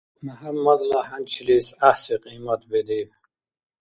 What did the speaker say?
МяхӀяммадла хӀянчилис гӀяхӀси кьимат бедиб.